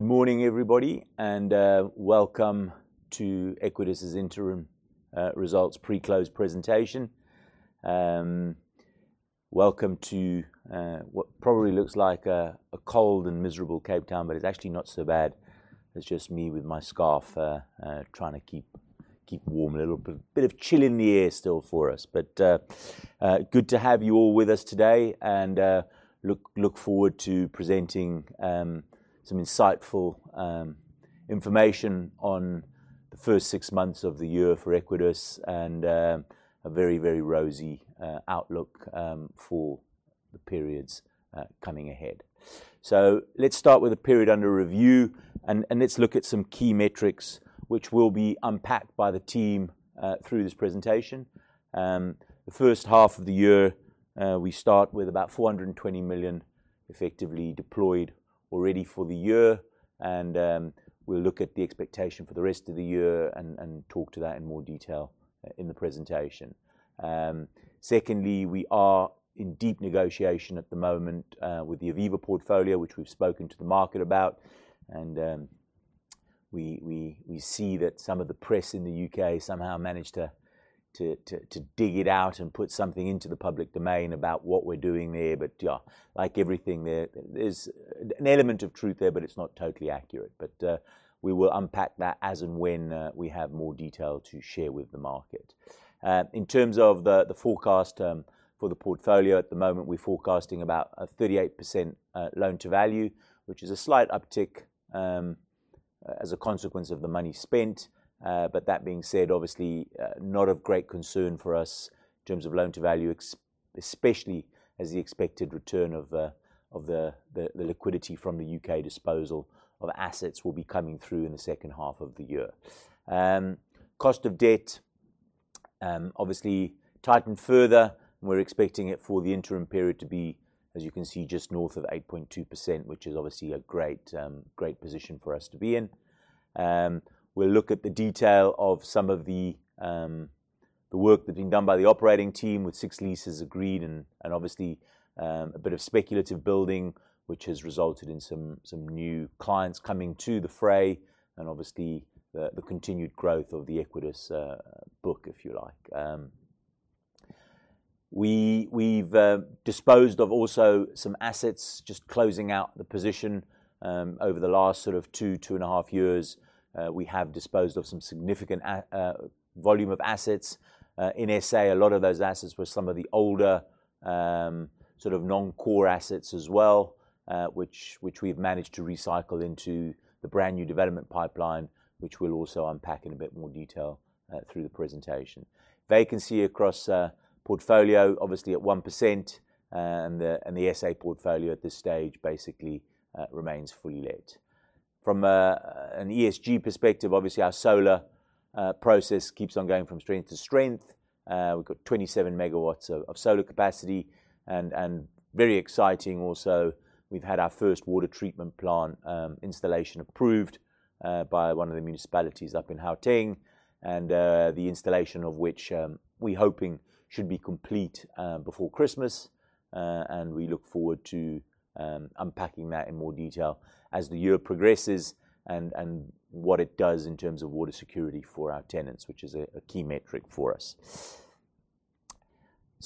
Good morning, everybody, and welcome to Equites' interim results pre-close presentation. Welcome to what probably looks like a cold and miserable Cape Town, but it's actually not so bad. It's just me with my scarf trying to keep warm a little bit. Bit of chill in the air still for us. But good to have you all with us today and look forward to presenting some insightful information on the first six months of the year for Equites and a very rosy outlook for the periods coming ahead. Let's start with the period under review and let's look at some key metrics which will be unpacked by the team through this presentation. The first half of the year, we start with about 420 million effectively deployed already for the year and, we'll look at the expectation for the rest of the year and talk to that in more detail, in the presentation. Secondly, we are in deep negotiation at the moment, with the Aviva portfolio, which we've spoken to the market about and, we see that some of the press in the U.K. somehow managed to dig it out and put something into the public domain about what we're doing there. Like everything there's an element of truth there, but it's not totally accurate. We will unpack that as and when we have more detail to share with the market. In terms of the forecast for the portfolio at the moment, we're forecasting about a 38% loan-to-value, which is a slight uptick as a consequence of the money spent. That being said, obviously, not of great concern for us in terms of loan-to-value especially as the expected return of the liquidity from the U.K. disposal of assets will be coming through in the second half of the year. Cost of debt obviously tightened further, and we're expecting it for the interim period to be, as you can see, just north of 8.2%, which is obviously a great position for us to be in. We'll look at the detail of some of the work that's been done by the operating team with 6 leases agreed and obviously a bit of speculative building which has resulted in some new clients coming to the fray and obviously the continued growth of the Equites book, if you like. We've disposed of also some assets just closing out the position over the last sort of two to two and a half years. We have disposed of some significant volume of assets. In SA, a lot of those assets were some of the older sort of non-core assets as well, which we've managed to recycle into the brand-new development pipeline, which we'll also unpack in a bit more detail through the presentation. Vacancy across portfolio obviously at 1%, and the SA portfolio at this stage basically remains fully let. From an ESG perspective, obviously our solar process keeps on going from strength to strength. We've got 27 MW of solar capacity and very exciting also, we've had our first wastewater treatment plant installation approved by one of the municipalities up in Gauteng and the installation of which we're hoping should be complete before Christmas, and we look forward to unpacking that in more detail as the year progresses and what it does in terms of water security for our tenants, which is a key metric for us.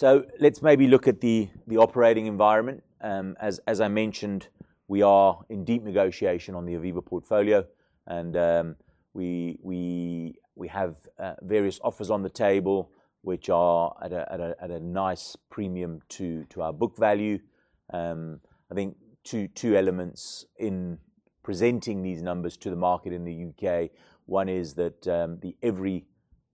Let's maybe look at the operating environment. As I mentioned, we are in deep negotiation on the Aviva portfolio and we have various offers on the table which are at a nice premium to our book value. I think two elements in presenting these numbers to the market in the U.K. One is that the Avery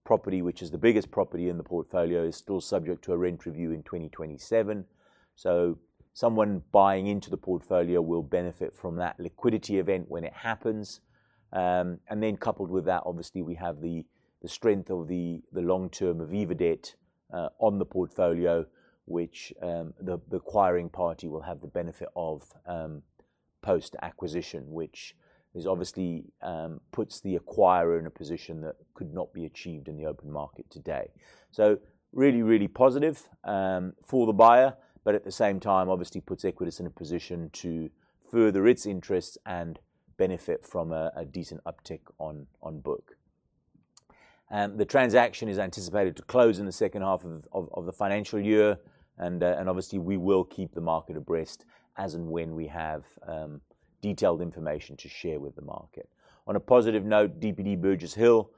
property, which is the biggest property in the portfolio, is still subject to a rent review in 2027, so someone buying into the portfolio will benefit from that liquidity event when it happens. Coupled with that, obviously we have the strength of the long-term Aviva debt on the portfolio which the acquiring party will have the benefit of post-acquisition, which obviously puts the acquirer in a position that could not be achieved in the open market today. Really positive for the buyer, but at the same time obviously puts Equites in a position to further its interests and benefit from a decent uptick on book. The transaction is anticipated to close in the second half of the financial year and obviously we will keep the market abreast as and when we have detailed information to share with the market. On a positive note, DPD Burgess Hill,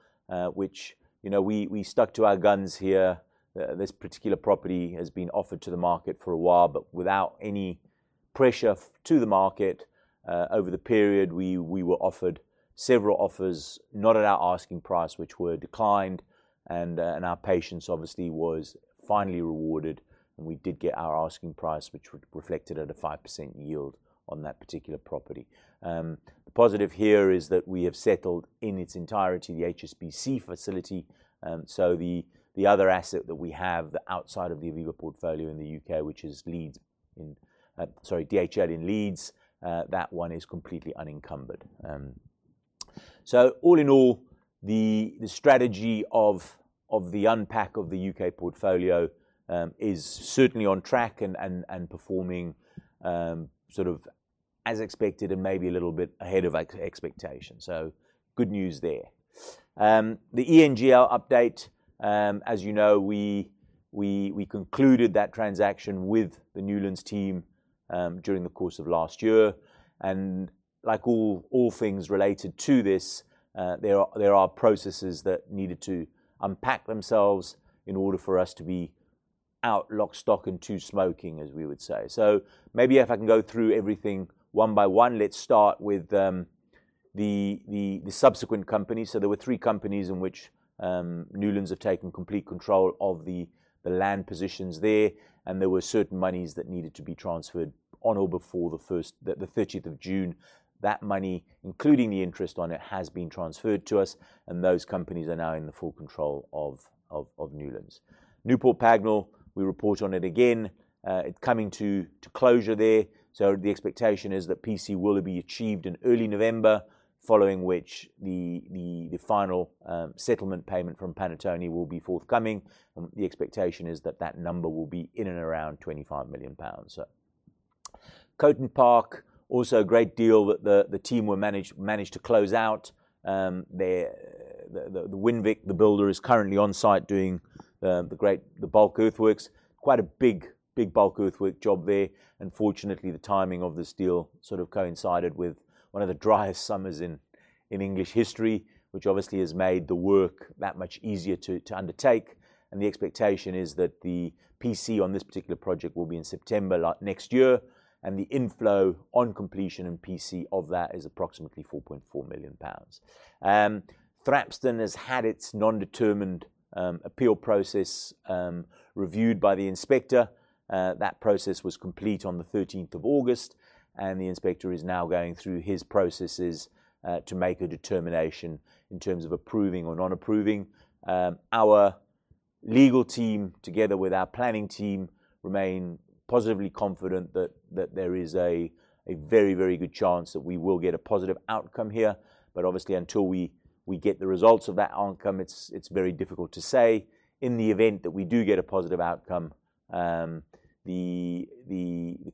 which, you know, we stuck to our guns here. This particular property has been offered to the market for a while, but without any pressure to the market. Over the period, we were offered several offers not at our asking price, which were declined and our patience obviously was finally rewarded and we did get our asking price, which reflected at a 5% yield on that particular property. The positive here is that we have settled in its entirety the HSBC facility, so the other asset that we have outside of the Aviva portfolio in the U.K., which is DHL in Leeds, that one is completely unencumbered. All in all, the strategy of the unpack of the U.K. portfolio is certainly on track and performing sort of as expected and maybe a little bit ahead of expectation. Good news there. The ENGL update, as you know, we concluded that transaction with the Newlands team during the course of last year. Like all things related to this, there are processes that needed to unpack themselves in order for us to be out, lock, stock, and barrel, as we would say. Maybe if I can go through everything one by one. Let's start with the subsequent companies. There were three companies in which Newlands have taken complete control of the land positions there, and there were certain monies that needed to be transferred on or before the thirtieth of June. That money, including the interest on it, has been transferred to us, and those companies are now in the full control of Newlands. Newport Pagnell, we report on it again. It coming to closure there. The expectation is that PC will be achieved in early November, following which the final settlement payment from Panattoni will be forthcoming. The expectation is that number will be in and around 25 million pounds. Coton Park, also a great deal that the team managed to close out. The Winvic, the builder, is currently on site doing the bulk earthworks. Quite a big bulk earthwork job there. Fortunately, the timing of this deal sort of coincided with one of the driest summers in English history, which obviously has made the work that much easier to undertake. The expectation is that the PC on this particular project will be in September like next year, and the inflow on completion and PC of that is approximately 4.4 million pounds. Thrapston has had its non-determination appeal process reviewed by the inspector. That process was complete on the thirteenth of August, and the inspector is now going through his processes to make a determination in terms of approving or not approving. Our legal team, together with our planning team, remain positively confident that there is a very good chance that we will get a positive outcome here. Obviously until we get the results of that outcome, it's very difficult to say. In the event that we do get a positive outcome, the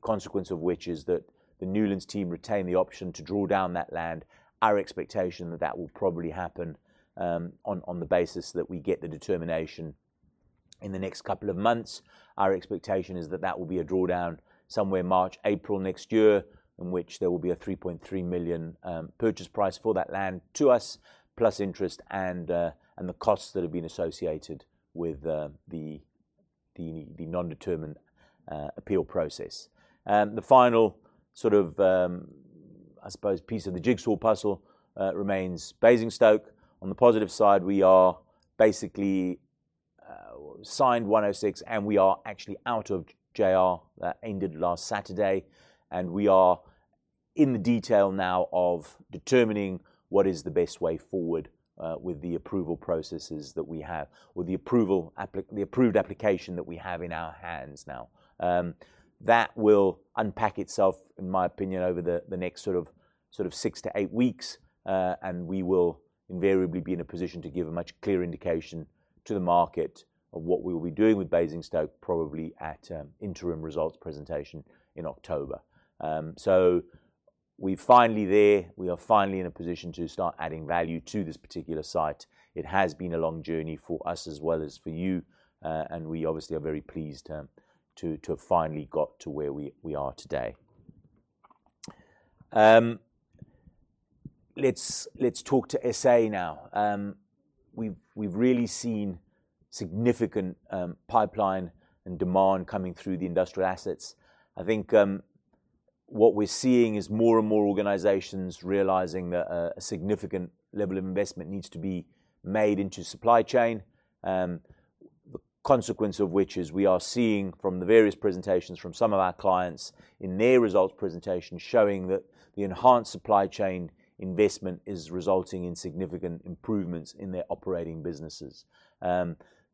consequence of which is that the Newlands team retain the option to draw down that land. Our expectation is that that will probably happen on the basis that we get the determination in the next couple of months. Our expectation is that that will be a draw down somewhere March, April next year, in which there will be a 3.3 million purchase price for that land to us, plus interest and the costs that have been associated with the non-determination appeal process. The final sort of I suppose piece of the jigsaw puzzle remains Basingstoke. On the positive side, we are basically signed 106, and we are actually out of JR. That ended last Saturday. We are in the detail now of determining what is the best way forward with the approval processes that we have, with the approved application that we have in our hands now. That will unpack itself, in my opinion, over the next sort of six to eight weeks. We will invariably be in a position to give a much clearer indication to the market of what we'll be doing with Basingstoke, probably at interim results presentation in October. We're finally there. We are finally in a position to start adding value to this particular site. It has been a long journey for us as well as for you. We obviously are very pleased to have finally got to where we are today. Let's talk to SA now. We've really seen significant pipeline and demand coming through the industrial assets. I think what we're seeing is more and more organizations realizing that a significant level of investment needs to be made into supply chain. The consequence of which is we are seeing from the various presentations from some of our clients in their results presentation showing that the enhanced supply chain investment is resulting in significant improvements in their operating businesses.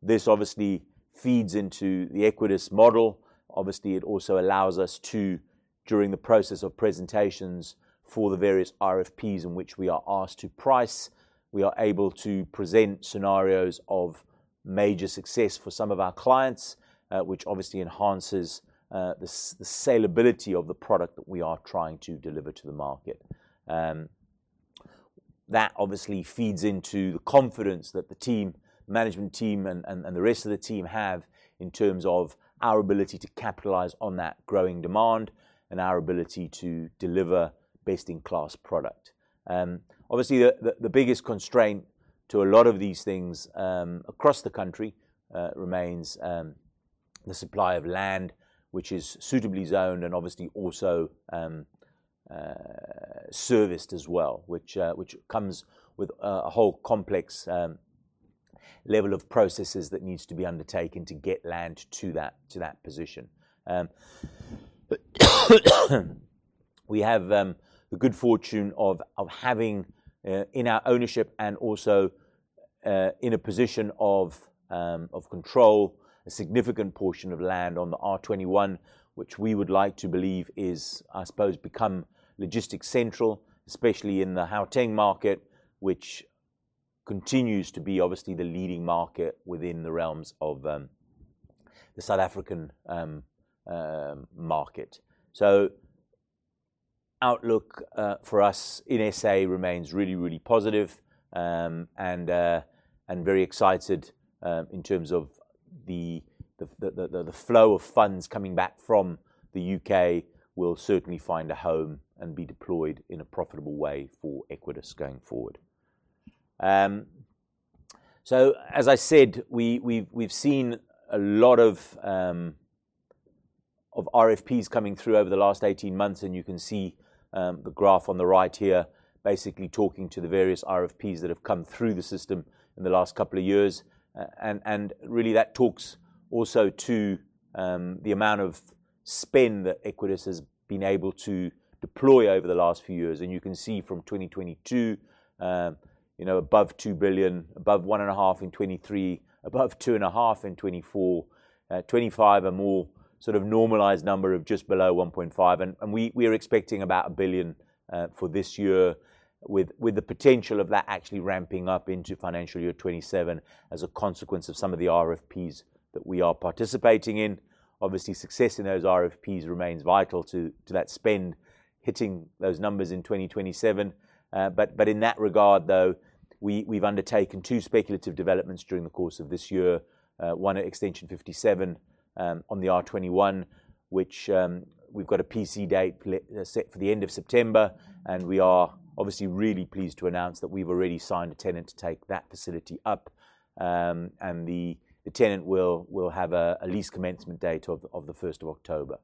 This obviously feeds into the Equites model. Obviously, it also allows us to, during the process of presentations for the various RFPs in which we are asked to price, we are able to present scenarios of major success for some of our clients, which obviously enhances the saleability of the product that we are trying to deliver to the market. That obviously feeds into the confidence that the team, management team and the rest of the team have in terms of our ability to capitalize on that growing demand and our ability to deliver best-in-class product. Obviously the biggest constraint to a lot of these things across the country remains the supply of land, which is suitably zoned and obviously also serviced as well, which comes with a whole complex level of processes that needs to be undertaken to get land to that position. We have the good fortune of having in our ownership, and also in a position of control a significant portion of land on the R21, which we would like to believe is, I suppose, become logistics central, especially in the Gauteng market, which continues to be obviously the leading market within the realms of the South African market. Outlook for us in SA remains really positive and very excited in terms of the flow of funds coming back from the U.K. will certainly find a home and be deployed in a profitable way for Equites going forward. As I said, we've seen a lot of RFPs coming through over the last 18 months, and you can see the graph on the right here basically talking to the various RFPs that have come through the system in the last couple of years. Really that talks also to the amount of spend that Equites has been able to deploy over the last few years. You can see from 2022 above 2 billion, above 1.5 billion in 2023, above 2.5 billion in 2024. 2025, a more sort of normalized number of just below 1.5 billion. We're expecting about 1 billion for this year with the potential of that actually ramping up into financial year 2027 as a consequence of some of the RFPs that we are participating in. Obviously, success in those RFPs remains vital to that spend hitting those numbers in 2027. But in that regard though, we've undertaken two speculative developments during the course of this year. One at Extension 57 on the R21, which we've got a PC date planned for the end of September, and we are obviously really pleased to announce that we've already signed a tenant to take that facility up. The tenant will have a lease commencement date of the first of October.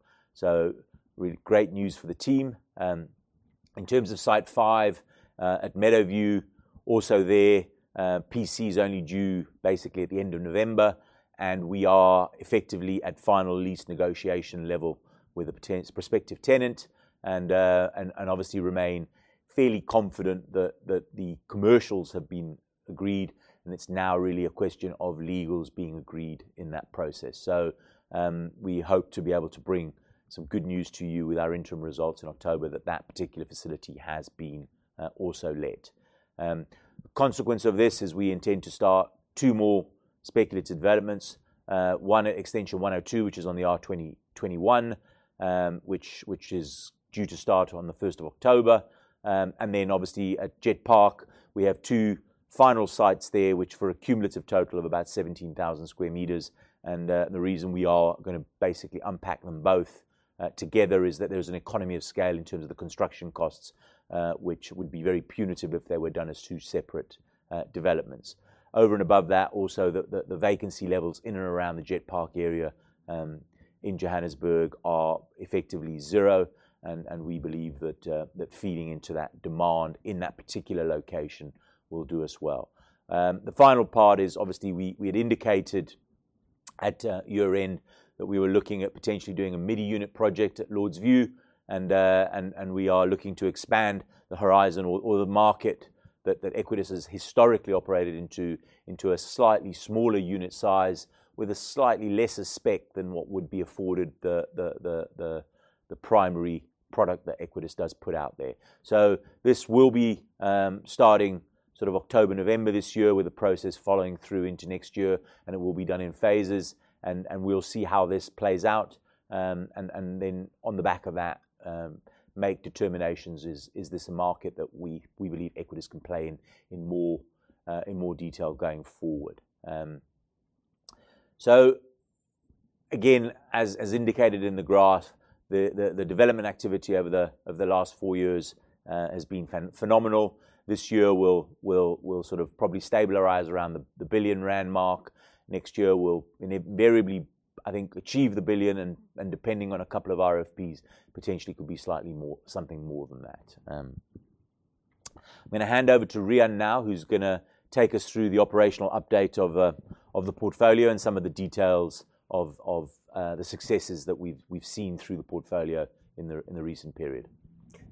Really great news for the team. In terms of Site Five at Meadowview, also there, PC is only due basically at the end of November, and we are effectively at final lease negotiation level with a prospective tenant and obviously remain fairly confident that the commercials have been agreed, and it's now really a question of legals being agreed in that process. We hope to be able to bring some good news to you with our interim results in October that particular facility has been also let. The consequence of this is we intend to start two more speculative developments. One at Extension 102, which is on the R21, which is due to start on the first of October. Obviously at Jet Park, we have two final sites there, which for a cumulative total of about 17,000 sq m. The reason we are gonna basically unpack them both together is that there's an economy of scale in terms of the construction costs, which would be very punitive if they were done as two separate developments. Over and above that, also the vacancy levels in and around the Jet Park area in Johannesburg are effectively zero and we believe that feeding into that demand in that particular location will do us well. The final part is obviously we had indicated at year-end that we were looking at potentially doing a midi unit project at Lords View and we are looking to expand the horizon or the market that Equites has historically operated into a slightly smaller unit size with a slightly lesser spec than what would be afforded the primary product that Equites does put out there. This will be starting sort of October, November this year with the process following through into next year, and it will be done in phases and we'll see how this plays out, and then on the back of that, make determinations. Is this a market that we believe Equites can play in more detail going forward. As indicated in the graph, the development activity over the last four years has been phenomenal. This year we'll sort of probably stabilize around the 1 billion rand mark. Next year, we'll invariably, I think, achieve the 1 billion and depending on a couple of RFPs, potentially could be slightly more, something more than that. I'm gonna hand over to Riaan now, who's gonna take us through the operational update of the portfolio and some of the details of the successes that we've seen through the portfolio in the recent period.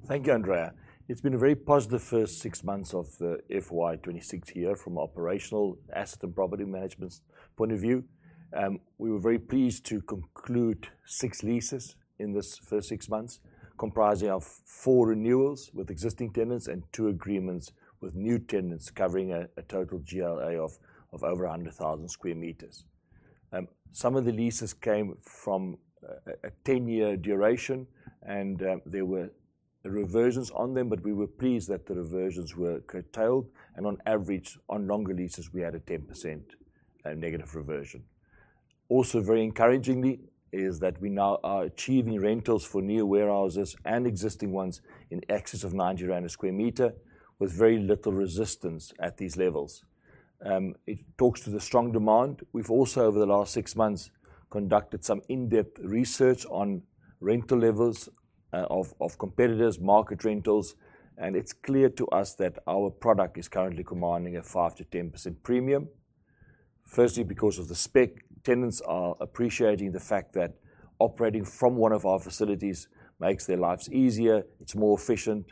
Thank you, Andrea. It's been a very positive first six months of the FY 2026 year from operational asset and property management point of view. We were very pleased to conclude six leases in this first six months, comprising of four renewals with existing tenants and two agreements with new tenants covering a total GLA of over 100,000 sq m. Some of the leases came from a 10-year duration and there were reversions on them, but we were pleased that the reversions were curtailed, and on average on longer leases we had a 10% negative reversion. Also very encouragingly is that we now are achieving rentals for new warehouses and existing ones in excess of 90 rand a sq m with very little resistance at these levels. It talks to the strong demand. We've also over the last six months conducted some in-depth research on rental levels of competitors, market rentals, and it's clear to us that our product is currently commanding a 5%-10% premium. First, because of the spec, tenants are appreciating the fact that operating from one of our facilities makes their lives easier, it's more efficient,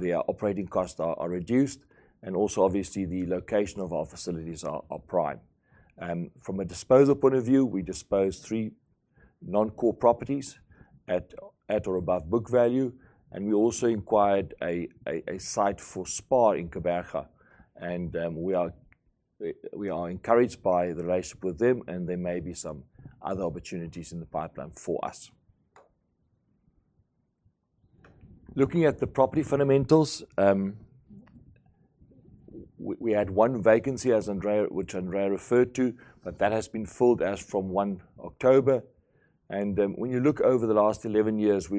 their operating costs are reduced, and also obviously the location of our facilities are prime. From a disposal point of view, we disposed three non-core properties at or above book value, and we also acquired a site for SPAR in Gqeberha, and we are encouraged by the relationship with them and there may be some other opportunities in the pipeline for us. Looking at the property fundamentals, we had one vacancy as Andrea... which Andrea referred to, but that has been filled as from 1 October. When you look over the last 11 years,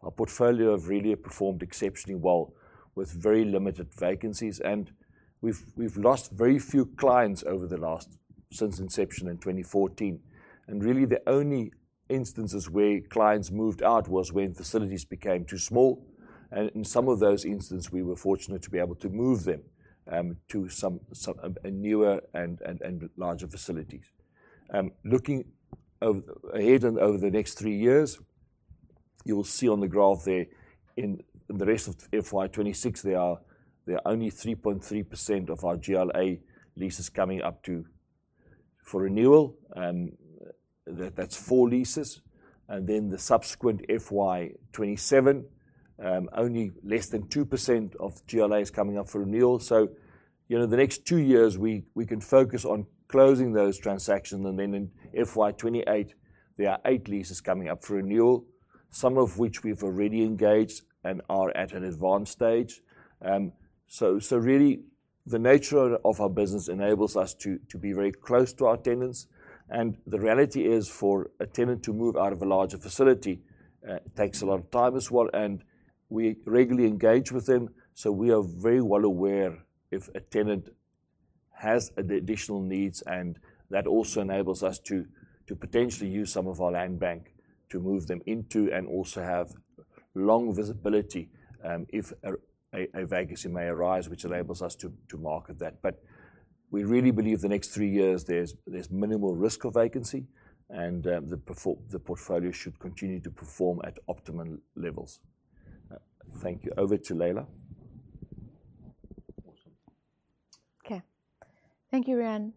our portfolio have really performed exceptionally well with very limited vacancies and we've lost very few clients over the last, since inception in 2014. Really the only instances where clients moved out was when facilities became too small, and in some of those instances we were fortunate to be able to move them to a newer and larger facilities. Looking ahead and over the next three years, you'll see on the graph there in the rest of FY 2026 there are only 3.3% of our GLA leases coming up for renewal, that's four leases. The subsequent FY 2027, only less than 2% of the GLA is coming up for renewal. You know, the next two years we can focus on closing those transactions, and then in FY 2028 there are eight leases coming up for renewal, some of which we've already engaged and are at an advanced stage. Really, the nature of our business enables us to be very close to our tenants. The reality is for a tenant to move out of a larger facility takes a lot of time as well, and we regularly engage with them, so we are very well aware if a tenant has additional needs and that also enables us to potentially use some of our land bank to move them into and also have long visibility if a vacancy may arise, which enables us to market that. We really believe the next three years there's minimal risk of vacancy and the portfolio should continue to perform at optimal levels. Thank you. Over to Laila. Awesome. Okay. Thank you, Riaan.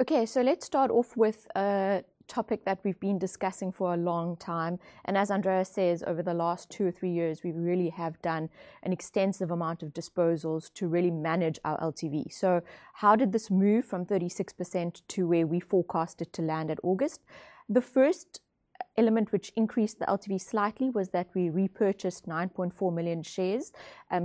Okay, let's start off with a topic that we've been discussing for a long time, and as Andrea says, over the last two or three years, we really have done an extensive amount of disposals to really manage our LTV. How did this move from 36% to where we forecasted to land at August? The first element which increased the LTV slightly was that we repurchased 9.4 million shares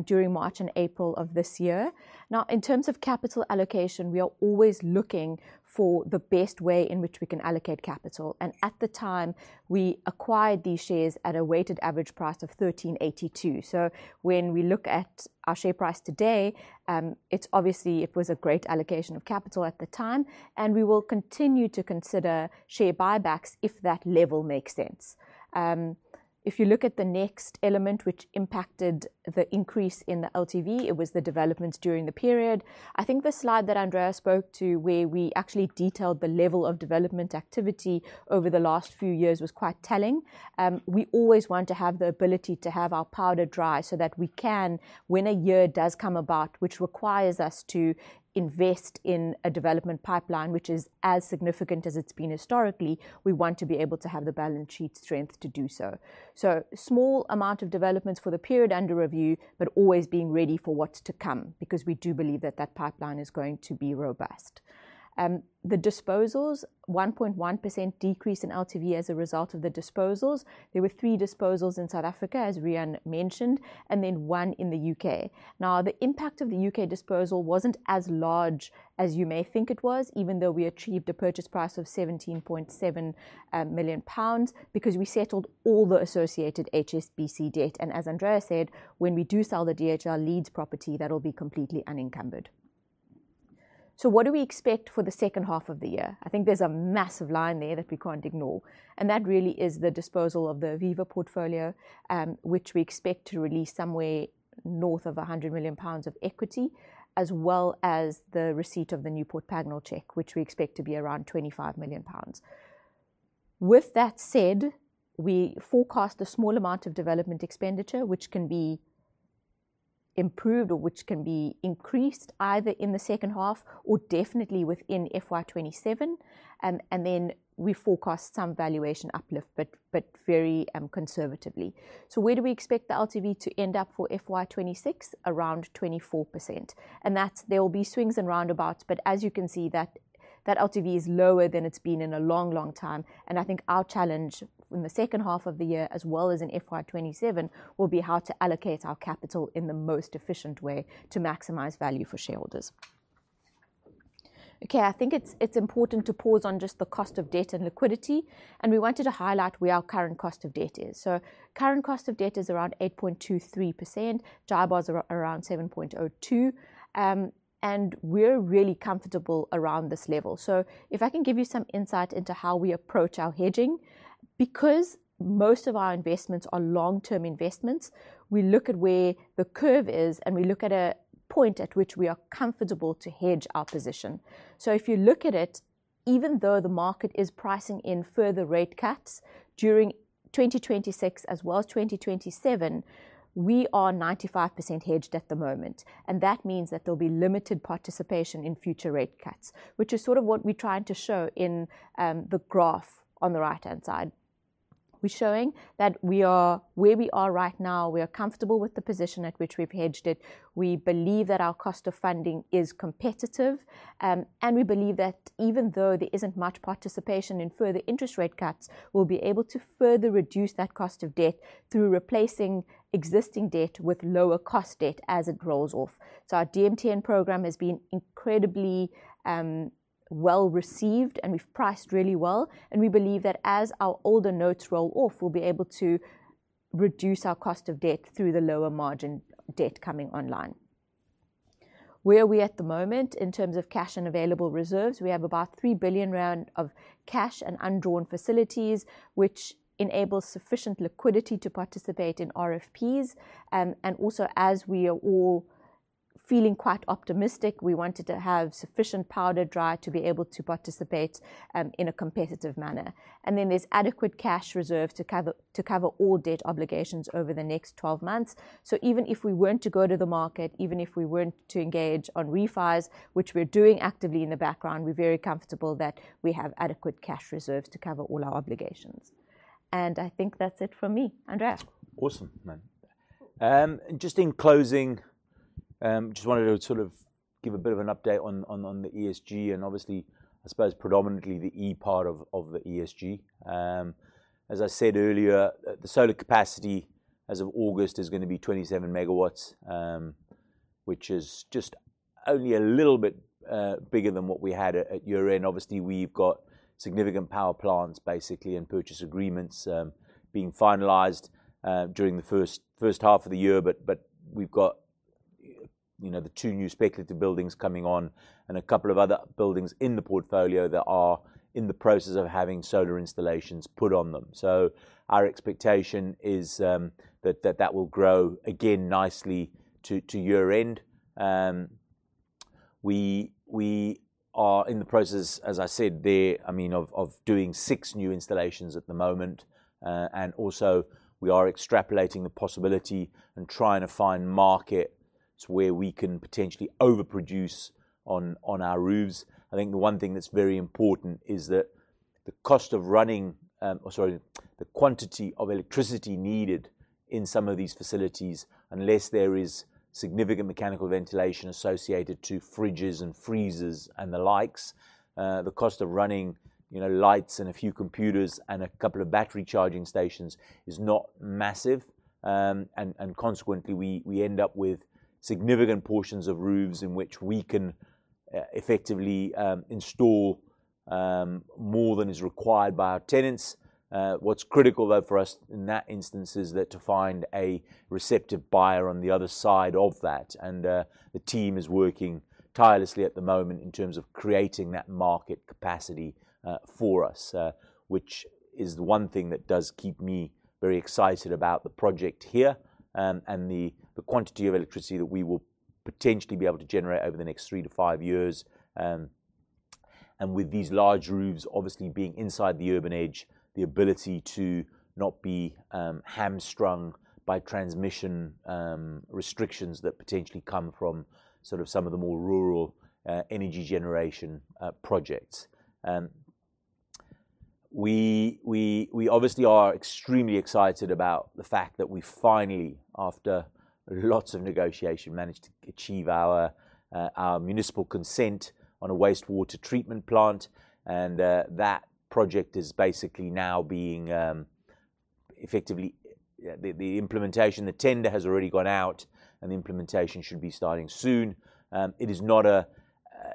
during March and April of this year. Now, in terms of capital allocation, we are always looking for the best way in which we can allocate capital, and at the time, we acquired these shares at a weighted average price of 13.82. When we look at our share price today, it's obviously it was a great allocation of capital at the time, and we will continue to consider share buybacks if that level makes sense. If you look at the next element which impacted the increase in the LTV, it was the developments during the period. I think the slide that Andrea spoke to where we actually detailed the level of development activity over the last few years was quite telling. We always want to have the ability to have our powder dry so that we can, when a year does come about, which requires us to invest in a development pipeline which is as significant as it's been historically, we want to be able to have the balance sheet strength to do so. Small amount of developments for the period under review, but always being ready for what's to come, because we do believe that that pipeline is going to be robust. The disposals, 1.1% decrease in LTV as a result of the disposals. There were three disposals in South Africa, as Riaan mentioned, and then 1 in the U.K. Now, the impact of the U.K. disposal wasn't as large as you may think it was, even though we achieved a purchase price of 17.7 million pounds, because we settled all the associated HSBC debt. As Andrea said, when we do sell the DHL Leeds property, that'll be completely unencumbered. What do we expect for the second half of the year? I think there's a massive line there that we can't ignore, and that really is the disposal of the Aviva portfolio, which we expect to release somewhere north of 100 million pounds of equity, as well as the receipt of the Newport Pagnell check, which we expect to be around 25 million pounds. With that said, we forecast a small amount of development expenditure which can be improved or which can be increased either in the second half or definitely within FY 2027, and then we forecast some valuation uplift, but very conservatively. Where do we expect the LTV to end up for FY 2026? Around 24%. That's There will be swings and roundabouts, but as you can see, that LTV is lower than it's been in a long, long time, and I think our challenge in the second half of the year, as well as in FY 2027, will be how to allocate our capital in the most efficient way to maximize value for shareholders. Okay. I think it's important to pause on just the cost of debt and liquidity, and we wanted to highlight where our current cost of debt is. So current cost of debt is around 8.23%. JIBAR is around 7.02, and we're really comfortable around this level. If I can give you some insight into how we approach our hedging, because most of our investments are long-term investments, we look at where the curve is and we look at a point at which we are comfortable to hedge our position. If you look at it. Even though the market is pricing in further rate cuts during 2026 as well as 2027, we are 95% hedged at the moment, and that means that there'll be limited participation in future rate cuts, which is sort of what we're trying to show in the graph on the right-hand side. We're showing that where we are right now, we are comfortable with the position at which we've hedged it. We believe that our cost of funding is competitive, and we believe that even though there isn't much participation in further interest rate cuts, we'll be able to further reduce that cost of debt through replacing existing debt with lower cost debt as it rolls off. Our DMTN program has been incredibly well-received, and we've priced really well, and we believe that as our older notes roll off, we'll be able to reduce our cost of debt through the lower margin debt coming online. Where are we at the moment in terms of cash and available reserves? We have about 3 billion rand of cash and undrawn facilities, which enables sufficient liquidity to participate in RFPs, and also as we are all feeling quite optimistic, we wanted to have sufficient powder dry to be able to participate in a competitive manner. There's adequate cash reserve to cover all debt obligations over the next 12 months. Even if we weren't to go to the market, even if we weren't to engage on refis, which we're doing actively in the background, we're very comfortable that we have adequate cash reserves to cover all our obligations. I think that's it from me. Andrea. Awesome, man. Just in closing, just wanted to sort of give a bit of an update on the ESG and obviously, I suppose predominantly the E part of the ESG. As I said earlier, the solar capacity as of August is gonna be 27 MW, which is just only a little bit bigger than what we had at year-end. Obviously, we've got significant power purchase agreements being finalized during the first half of the year. We've got, you know, the two new speculative buildings coming on and a couple of other buildings in the portfolio that are in the process of having solar installations put on them. Our expectation is that that will grow again nicely to year-end. We are in the process, as I said there, I mean, of doing six new installations at the moment. Also we are extrapolating the possibility and trying to find markets where we can potentially overproduce on our roofs. I think the one thing that's very important is that the quantity of electricity needed in some of these facilities, unless there is significant mechanical ventilation associated to fridges and freezers and the likes, the cost of running, you know, lights and a few computers and a couple of battery charging stations is not massive. Consequently, we end up with significant portions of roofs in which we can effectively install more than is required by our tenants. What's critical though for us in that instance is that to find a receptive buyer on the other side of that, and the team is working tirelessly at the moment in terms of creating that market capacity for us, which is the one thing that does keep me very excited about the project here, and the quantity of electricity that we will potentially be able to generate over the next three to five years. With these large roofs obviously being inside the urban edge, the ability to not be hamstrung by transmission restrictions that potentially come from sort of some of the more rural energy generation projects. We obviously are extremely excited about the fact that we finally, after lots of negotiation, managed to achieve our municipal consent on a wastewater treatment plant. The implementation, the tender has already gone out, and the implementation should be starting soon. It is not a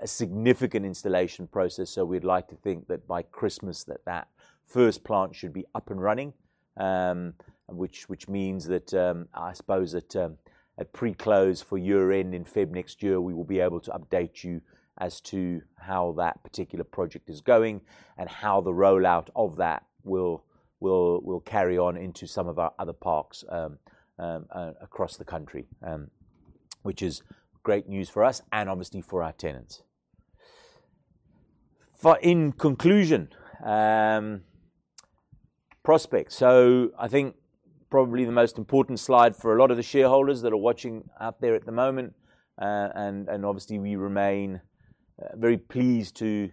significant installation process, so we'd like to think that by Christmas that first plant should be up and running, which means that I suppose at pre-close for year-end in February next year, we will be able to update you as to how that particular project is going and how the rollout of that will carry on into some of our other parks across the country, which is great news for us and obviously for our tenants. In conclusion, prospects. I think probably the most important slide for a lot of the shareholders that are watching out there at the moment, and obviously we remain very pleased to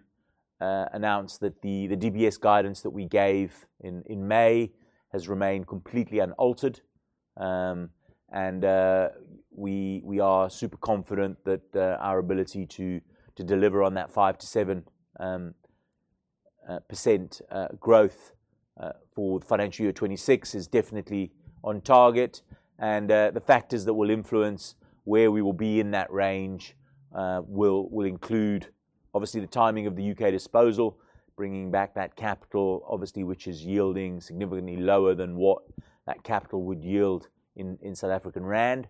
announce that the DPS guidance that we gave in May has remained completely unaltered. We are super confident that our ability to deliver on that 5%-7% growth for financial year 2026 is definitely on target. The factors that will influence where we will be in that range will include obviously the timing of the U.K. disposal, bringing back that capital obviously, which is yielding significantly lower than what that capital would yield in South African rand.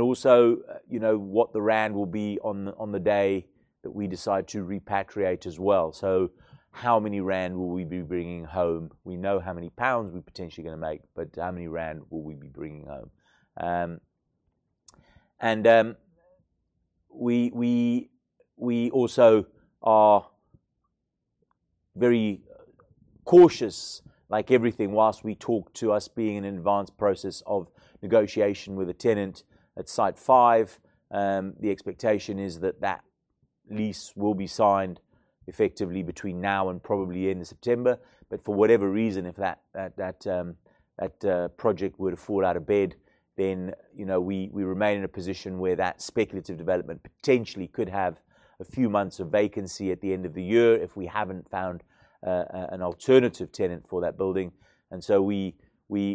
Also, you know, what the rand will be on the day that we decide to repatriate as well. How many rand will we be bringing home? We know how many pounds we're potentially gonna make, but how many rand will we be bringing home? We also are very cautious, like everything, whilst we talk about us being in an advanced process of negotiation with a tenant at site five. The expectation is that that lease will be signed effectively between now and probably end of September. For whatever reason, if that project were to fall out of bed, then, you know, we remain in a position where that speculative development potentially could have a few months of vacancy at the end of the year if we haven't found an alternative tenant for that building. We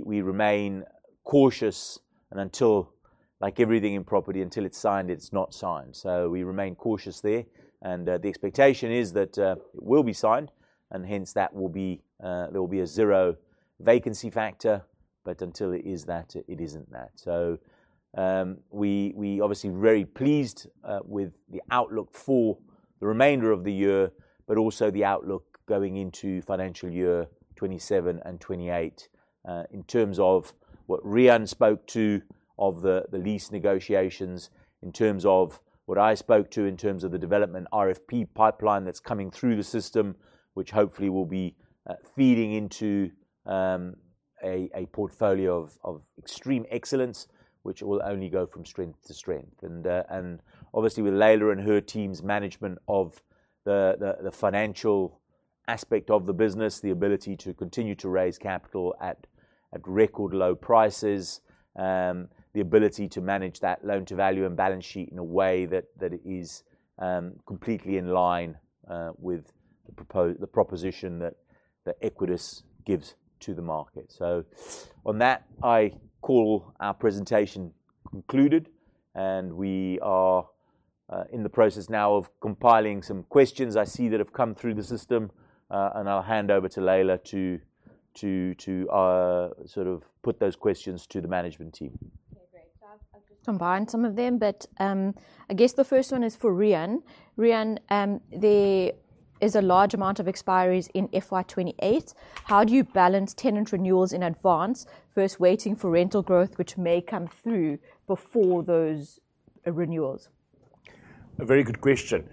remain cautious and until, like everything in property, until it's signed, it's not signed. We remain cautious there. The expectation is that it will be signed, and hence there will be a zero vacancy factor. Until it is that, it isn't that. We obviously very pleased with the outlook for the remainder of the year, but also the outlook going into financial year 2027 and 2028. In terms of what Riaan spoke to of the lease negotiations, in terms of what I spoke to in terms of the development RFP pipeline that's coming through the system, which hopefully will be feeding into a portfolio of extreme excellence, which will only go from strength to strength. Obviously with Leila and her team's management of the financial aspect of the business, the ability to continue to raise capital at record low prices, the ability to manage that loan-to-value and balance sheet in a way that is completely in line with the proposition that Equites gives to the market. On that, I call our presentation concluded, and we are in the process now of compiling some questions I see that have come through the system. I'll hand over to Leila to sort of put those questions to the management team. Okay, great. I've just combined some of them, but I guess the first one is for Riaan. Riaan, there is a large amount of expiries in FY 2028. How do you balance tenant renewals in advance versus waiting for rental growth which may come through before those renewals? A very good question.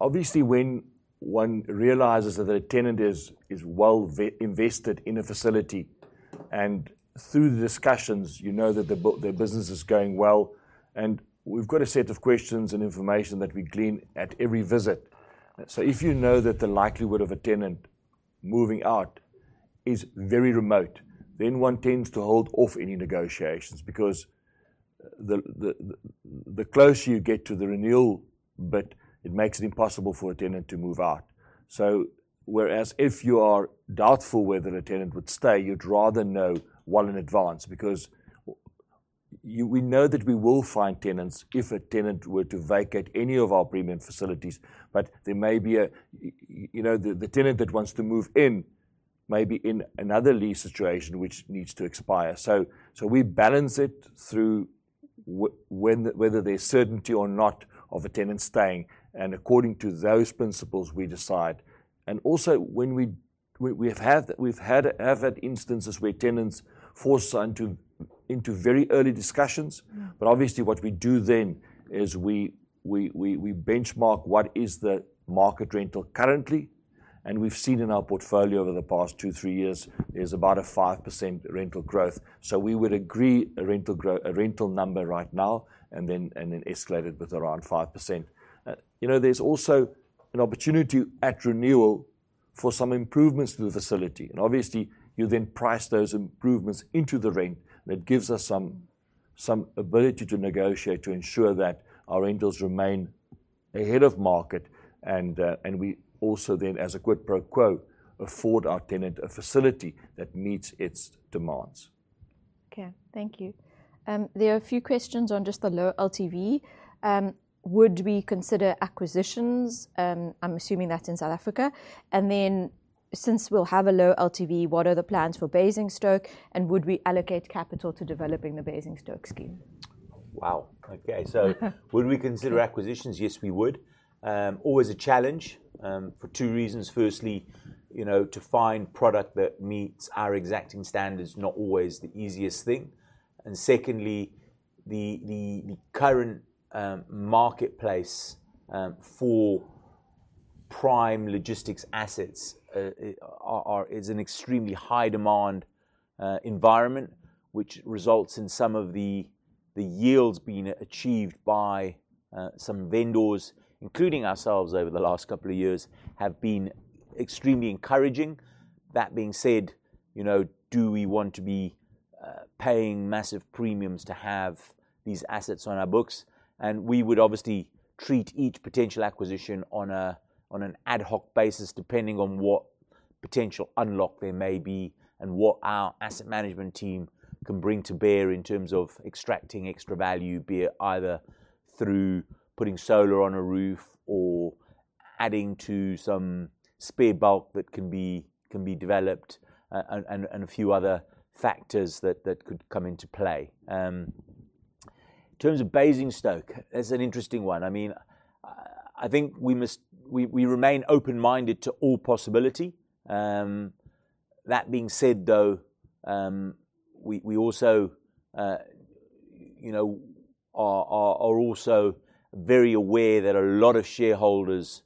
Obviously, when one realizes that a tenant is well invested in a facility, and through the discussions you know that their business is going well. We've got a set of questions and information that we glean at every visit. If you know that the likelihood of a tenant moving out is very remote, then one tends to hold off any negotiations because the closer you get to the renewal bit, it makes it impossible for a tenant to move out. Whereas if you are doubtful whether a tenant would stay, you'd rather know well in advance because we know that we will find tenants if a tenant were to vacate any of our premium facilities, but there may be you know the tenant that wants to move in may be in another lease situation which needs to expire. We balance it through whether there's certainty or not of a tenant staying, and according to those principles, we decide. We've had instances where tenants force us to enter into very early discussions. Mm. Obviously what we do then is we benchmark what is the market rental currently. We've seen in our portfolio over the past two to three years about 5% rental growth. We would agree a rental number right now and then escalate it with around 5%. You know, there's also an opportunity at renewal for some improvements to the facility. Obviously you then price those improvements into the rent, and it gives us some ability to negotiate to ensure that our rentals remain ahead of market, and we also then, as a quid pro quo, afford our tenant a facility that meets its demands. Okay. Thank you. There are a few questions on just the low LTV. Would we consider acquisitions? I'm assuming that's in South Africa. Since we'll have a low LTV, what are the plans for Basingstoke, and would we allocate capital to developing the Basingstoke scheme? Wow. Okay. Would we consider acquisitions? Yes, we would. Always a challenge for two reasons. Firstly, you know, to find product that meets our exacting standards, not always the easiest thing. Secondly, the current marketplace for prime logistics assets is an extremely high demand environment, which results in some of the yields being achieved by some vendors, including ourselves over the last couple of years, have been extremely encouraging. That being said, you know, do we want to be paying massive premiums to have these assets on our books? We would obviously treat each potential acquisition on an ad hoc basis, depending on what potential unlock there may be, and what our asset management team can bring to bear in terms of extracting extra value, be it either through putting solar on a roof or adding to some spare bulk that can be developed, and a few other factors that could come into play. In terms of Basingstoke, that's an interesting one. I mean, we remain open-minded to all possibility. That being said, though, we also, you know, are also very aware that a lot of shareholders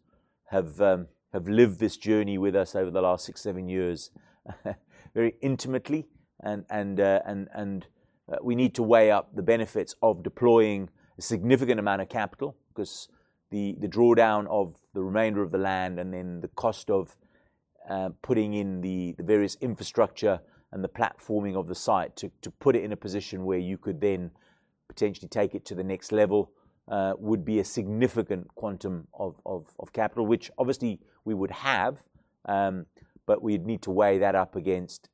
have lived this journey with us over the last six, seven years very intimately and we need to weigh up the benefits of deploying a significant amount of capital. 'Cause the drawdown of the remainder of the land and then the cost of putting in the various infrastructure and the platforming of the site to put it in a position where you could then potentially take it to the next level would be a significant quantum of capital, which obviously we would have, but we'd need to weigh that up against,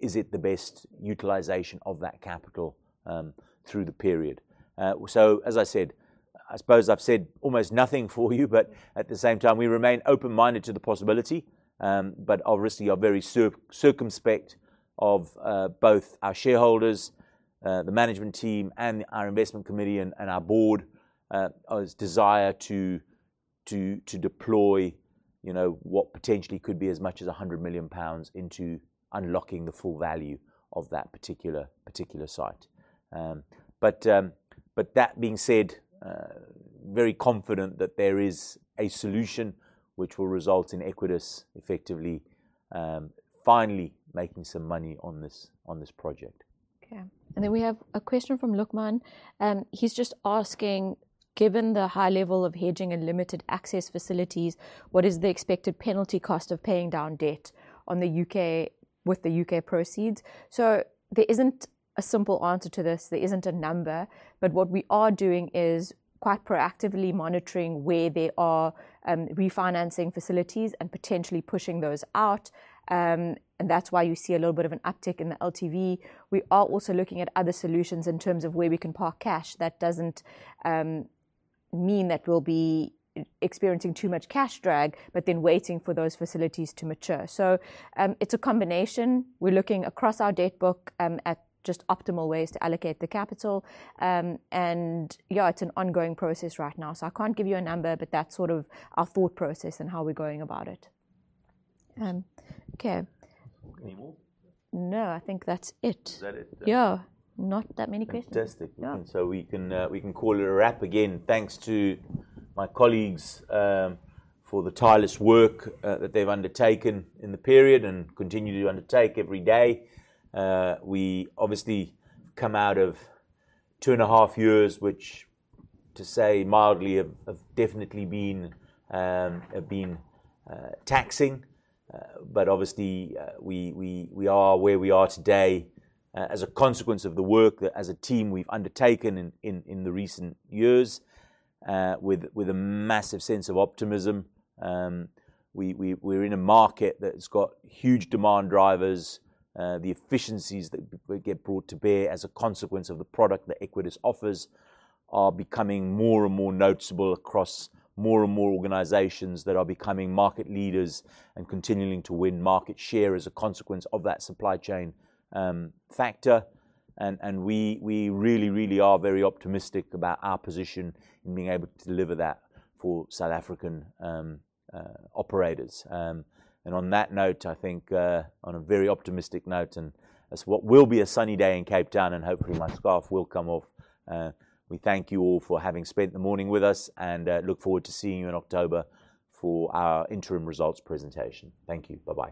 is it the best utilization of that capital through the period. As I said, I suppose I've said almost nothing for you, but at the same time, we remain open-minded to the possibility. Obviously we are very circumspect of both our shareholders, the management team, and our investment committee and our board's desire to deploy, you know, what potentially could be as much as 100 million pounds into unlocking the full value of that particular site. That being said, very confident that there is a solution which will result in Equites effectively finally making some money on this project. Okay. We have a question from Luqman. He's just asking, "Given the high level of hedging and limited excess facilities, what is the expected penalty cost of paying down debt on the U.K. with the U.K. proceeds?" There isn't a simple answer to this. There isn't a number. What we are doing is quite proactively monitoring where there are refinancing facilities and potentially pushing those out. That's why you see a little bit of an uptick in the LTV. We are also looking at other solutions in terms of where we can park cash that doesn't mean that we'll be experiencing too much cash drag, but then waiting for those facilities to mature. It's a combination. We're looking across our debt book at just optimal ways to allocate the capital. Yeah, it's an ongoing process right now, so I can't give you a number, but that's sort of our thought process and how we're going about it. Okay. Any more? No, I think that's it. Is that it then? Yeah. Not that many questions. Fantastic. Yeah. We can call it a wrap. Again, thanks to my colleagues for the tireless work that they've undertaken in the period and continue to undertake every day. We obviously come out of two and a half years, which, to say mildly, have definitely been taxing. Obviously, we are where we are today as a consequence of the work that as a team we've undertaken in the recent years with a massive sense of optimism. We are in a market that's got huge demand drivers. The efficiencies that we get brought to bear as a consequence of the product that Equites offers are becoming more and more noticeable across more and more organizations that are becoming market leaders and continuing to win market share as a consequence of that supply chain factor. We really are very optimistic about our position in being able to deliver that for South African operators. On that note, I think, on a very optimistic note, and as what will be a sunny day in Cape Town, and hopefully my scarf will come off, we thank you all for having spent the morning with us, and look forward to seeing you in October for our interim results presentation. Thank you. Bye-bye.